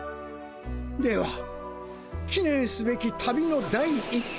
ではきねんすべき旅の第一句。